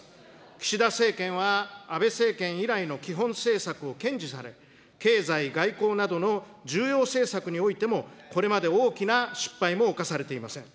岸田政権は安倍政権以来の基本政策を堅持され、経済、外交などの重要政策においてもこれまで大きな失敗も犯されていません。